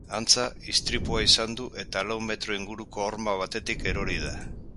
Antza, istripua izan du eta lau metro inguruko horma batetik erori da.